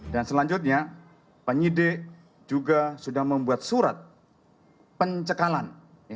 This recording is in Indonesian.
dan selanjutnya penyidik juga sudah membuat surat pencekalan